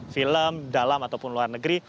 film dalam ataupun luar negeri